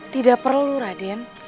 tidak perlu raden